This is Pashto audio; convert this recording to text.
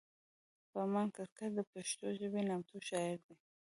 فرمان کسکر د پښتو ژبې نامتو شاعر دی